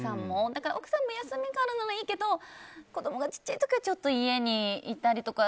だから奥さんも休みがあるならいいけど子供がちっちゃい時はちょっと家にいたりとか。